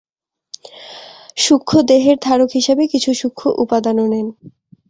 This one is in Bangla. সূক্ষ্ম-দেহের ধারক হিসাবে কিছু সূক্ষ্ম উপাদানও নেন।